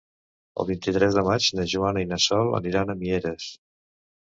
El vint-i-tres de maig na Joana i na Sol aniran a Mieres.